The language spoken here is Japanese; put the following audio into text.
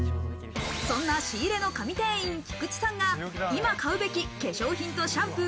そんな仕入れの神店員・菊池さんが今買うべき化粧品とシャンプー